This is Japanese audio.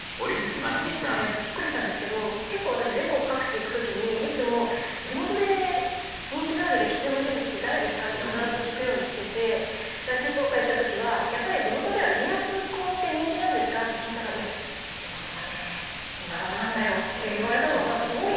いや私もこれビックリしたんですけど結構私全国各地行く時にいつも「地元で人気のある歴史上の人物って誰ですか？」って必ず聞くようにしてて静岡行った時は「やっぱり地元では家康公って人気なんですか？」って聞いたら「いや地元はね今川なんだよ」って言われたのがすごい印象的で。